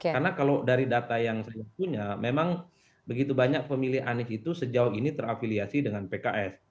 karena kalau dari data yang saya punya memang begitu banyak pemilih anies itu sejauh ini terafiliasi dengan pks